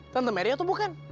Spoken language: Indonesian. tante meri atau bukan